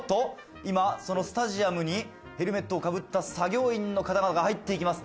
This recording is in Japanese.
今、そのスタジアムにヘルメットをかぶった作業員の方が入っていきます。